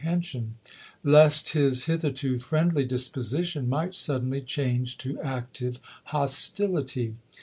hension lest his hitherto friendly disposition might suddenly change to active hostility.